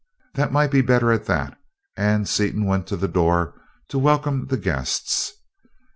"That might be better at that," and Seaton went to the door to welcome the guests.